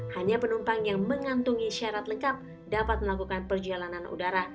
hanya penumpang yang mengantungi syarat lengkap dapat melakukan perjalanan udara